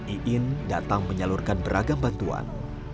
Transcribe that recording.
iin datang menyalurkan beragam bantuan